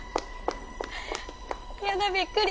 やだびっくり。